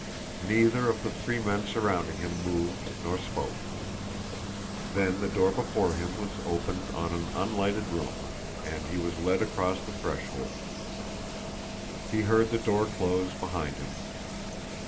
Neither of the three men surrounding him moved nor spoke. Then the door before him was opened on an unlighted room, and he was led across the threshold. He heard the door close behind him.